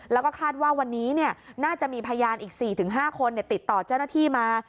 แล้วก็คาดว่าวันนี้น่าจะมีพยานอีก๔๕คนติดต่อเจ้าหน้าที่มา